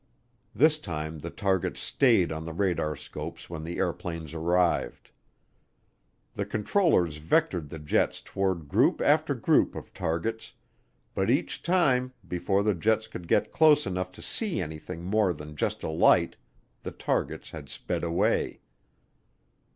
This time the targets stayed on the radarscopes when the airplanes arrived. The controllers vectored the jets toward group after group of targets, but each time, before the jets could get close enough to see anything more than just a light, the targets had sped away.